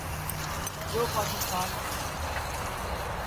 جو پاکستان میں ہے۔